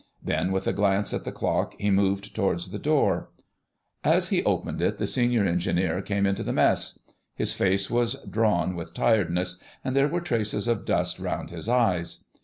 Then with a glance at the clock he moved towards the door. As he opened it the Senior Engineer came into the Mess. His face was drawn with tiredness, and there were traces of dust round his eyes.